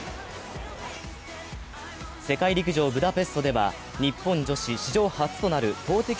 世界陸上ブダペストでは、日本女子史上初となる投てき